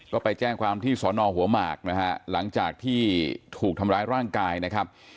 ก็ไปแจ้งความที่สอนอหัวหมากนะฮะหลังจากที่ถูกทำร้ายร่างกายนะครับ